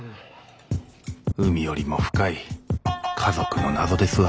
海よりも深い家族の謎ですわ。